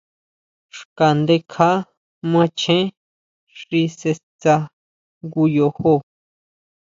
Xka ndekja macheén xi sʼe stsá jngu yojo.